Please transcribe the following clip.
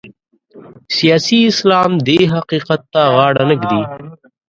سیاسي اسلام دې حقیقت ته غاړه نه ږدي.